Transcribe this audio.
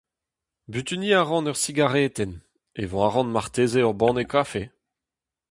Butuniñ a ran ur sigaretenn, evañ a ran marteze ur banne kafe.